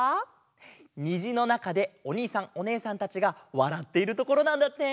にじのなかでおにいさんおねえさんたちがわらっているところなんだって。